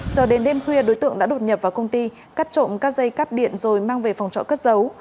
cho đến đêm khuya đối tượng đã đột nhập vào công ty cắt trộn các dây cáp điện rồi mang về phòng trọ cất giấu